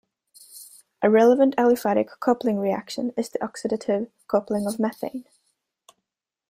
A relevant aliphatic coupling reaction is the oxidative coupling of methane.